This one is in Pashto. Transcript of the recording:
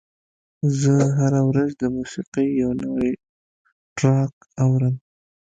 زه هره ورځ د موسیقۍ یو نوی ټراک اورم.